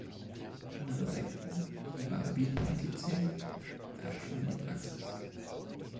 Andere Sekten, wie die Wahhabiten etc., verabscheuen die Praxis.